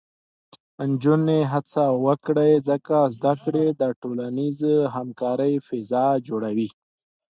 نجونې هڅه وکړي، ځکه زده کړه د ټولنیزې همکارۍ فضا جوړوي.